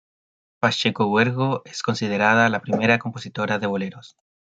Pacheco Huergo es considerada la primera compositora de boleros.